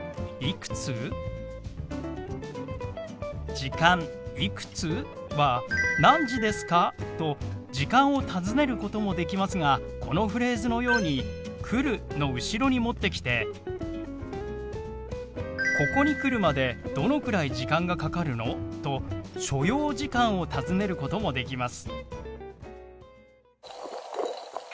「時間いくつ？」は「何時ですか？」と時間を尋ねることもできますがこのフレーズのように「来る」の後ろに持ってきて「ここに来るまでどのくらい時間がかかるの？」と所要時間を尋ねることもできます。